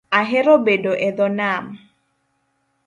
Ahero bedo e dhoo nam